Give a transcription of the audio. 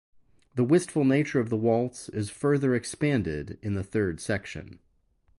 The wistful nature of the waltz is further expanded in the third section.